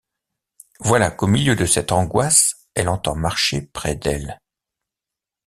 Voilà qu’au milieu de cette angoisse elle entend marcher près d’elle.